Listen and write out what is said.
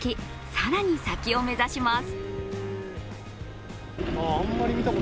更に先を目指します。